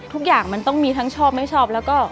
ทุกอย่างมันต้องมีทั้งชอบไม่ชอบแล้วก็